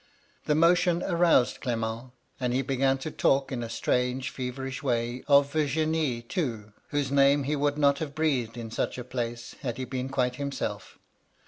The motion aroused Clement, and he began to talk in a strange, feverish way, of Virginie, too, — whose name he would not have breathed in such MY LADY LUDLOW. 183 a place had he been quite himself.